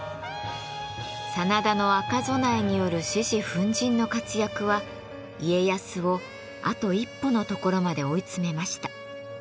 真田の赤備えによる獅子奮迅の活躍は家康をあと一歩のところまで追い詰めました。